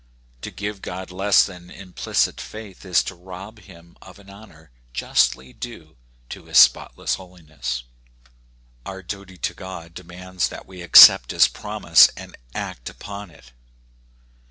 To give God less than an implicit faith is to rob him of an honor justly due to his spotless holiness. Our duty to God demands that we accept his promise, and act upon it.